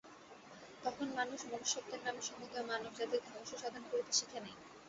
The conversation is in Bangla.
তখন মানুষ মনুষ্যত্বের নামে সমুদয় মানবজাতির ধ্বংস সাধন করিতে শিখে নাই।